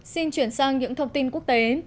xin chuyển sang những thông tin quốc tế